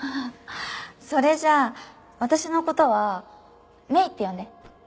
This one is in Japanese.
それじゃあ私の事はメイって呼んで。